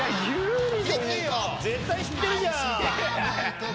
絶対知ってるじゃん。